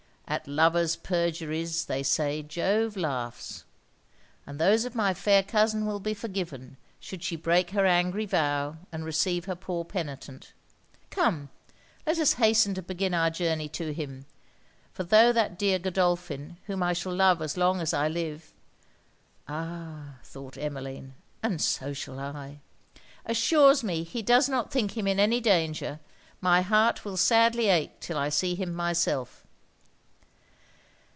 "At lovers' perjuries they say Jove laughs." And those of my fair cousin will be forgiven, should she break her angry vow and receive her poor penitent. Come, let us hasten to begin our journey to him; for tho' that dear Godolphin, whom I shall love as long as I live,' (ah! thought Emmeline, and so shall I) 'assures me he does not think him in any danger, my heart will sadly ache till I see him myself.'